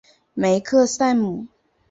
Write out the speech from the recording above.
梅克赛姆。